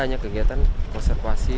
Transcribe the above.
hanya kegiatan konservasi